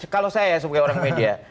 kalau saya sebagai orang media